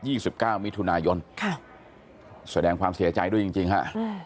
สิบเก้ามิถุนายนค่ะแสดงความเสียใจด้วยจริงจริงฮะอืม